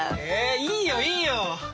ええいいよいいよ！